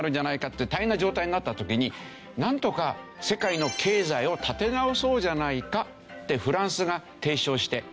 って大変な状態になった時になんとか世界の経済を立て直そうじゃないかってフランスが提唱して。